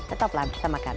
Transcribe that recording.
tetaplah bersama kami